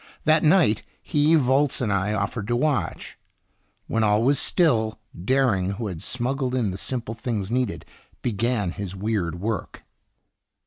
That night, he, Volz, and I offered to watch . When all was still, Dering, who had smuggled in the simple things needed, began his weird work.